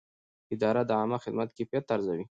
اداره د عامه خدمت کیفیت ارزوي.